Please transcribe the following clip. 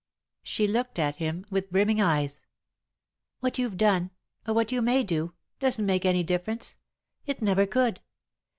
She looked at him with brimming eyes. "What you've done, or what you may do, doesn't make any difference. It never could.